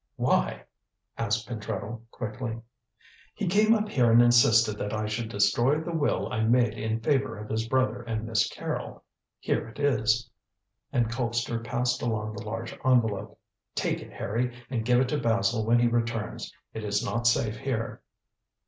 "Why?" asked Pentreddle quickly. "He came up here and insisted that I should destroy the will I made in favour of his brother and Miss Carrol. Here it is," and Colpster passed along the large envelope. "Take it, Harry, and give it to Basil when he returns. It is not safe here."